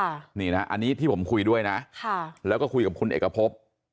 อันนี้ที่ผมคุยด้วยแล้วก็คุยกับคุณเอกพบ